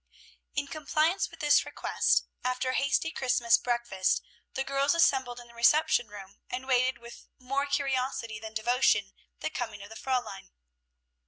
In compliance with this request, after a hasty Christmas breakfast, the girls assembled in the reception room, and waited with more curiosity than devotion the coming of the Fräulein.